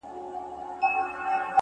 ځي له وطنه خو په هر قدم و شاته ګوري _